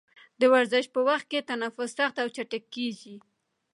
د ورزش په وخت کې تنفس سخت او چټکېږي.